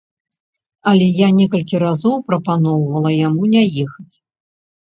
Але я некалькі разоў прапаноўвала яму не ехаць.